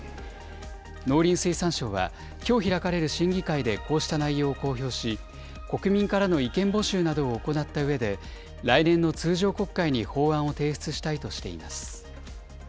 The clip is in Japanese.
農林水産省は、きょう開かれる審議会でこうした内容を公表し、国民からの意見募集などを行ったうえで、来年の通常国会に法案を提出したいとしています。